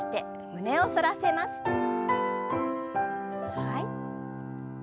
はい。